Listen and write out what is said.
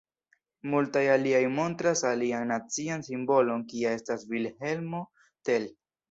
Multaj aliaj montras alian nacian simbolon kia estas Vilhelmo Tell.